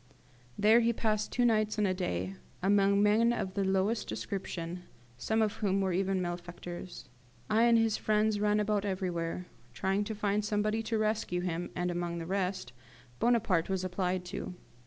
There he passed two nights and a day, among men of the lowest description, some of whom were even malefactors. I and his friends ran about everywhere, trying to find somebody to rescue him, and, among the rest, Bonaparte was applied to.